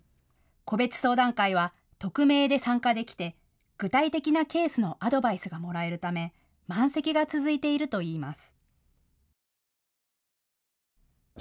個別相談会は匿名で参加できて具体的なケースのアドバイスがもらえるため満席が続いているといいます。